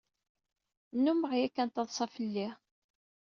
Nnumeɣ yakan ttaḍsan fell-i.